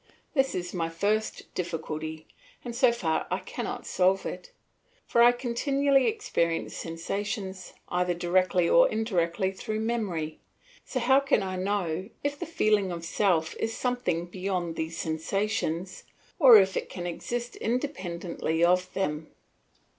This is my first difficulty, and so far I cannot solve it. For I continually experience sensations, either directly or indirectly through memory, so how can I know if the feeling of self is something beyond these sensations or if it can exist independently of them?